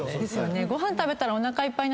ご飯食べたら。